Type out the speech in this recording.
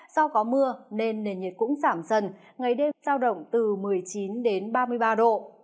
do có mưa nên nền nhiệt cũng giảm dần ngày đêm giao động từ một mươi chín đến ba mươi ba độ